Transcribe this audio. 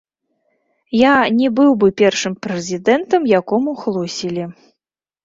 Я не быў бы першым прэзідэнтам, якому хлусілі.